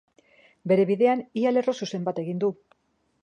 Bere bidean ia lerro zuzen bat egiten du.